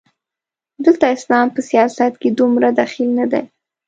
دلته اسلام په سیاست کې دومره دخیل نه دی.